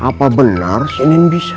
apa benar si nen bisa